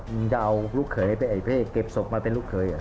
มีจะเอาลูกเขยไปไอ้พระเอกเก็บศพมาเป็นลูกเขย